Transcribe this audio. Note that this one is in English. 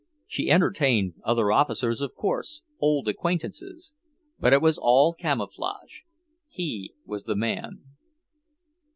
She entertained other officers, of course, old acquaintances; but it was all camouflage. He was the man.